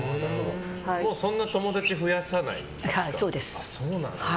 もうそんなに友達は増やさないんですか。